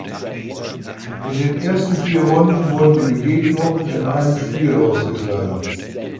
In den ersten vier Runden wurden die Begegnungen in einem Spiel ausgetragen.